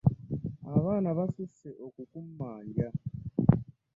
Abaana basusse okukummanja.